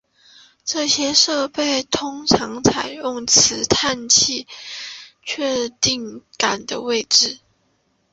这些设备通常采用磁探测器确定杆的位置。